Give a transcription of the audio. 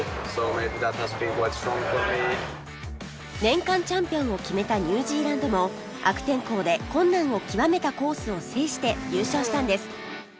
年間チャンピオンを決めたニュージーランドも悪天候で困難を極めたコースを制して優勝したんです